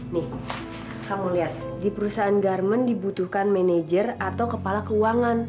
nih kamu lihat di perusahaan garmen dibutuhkan manajer atau kepala keuangan